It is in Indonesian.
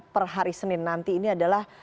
per hari senin nanti ini adalah